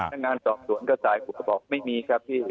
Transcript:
นักงานสอบสวนก็สายคุณก็บอกไม่มีครับพี่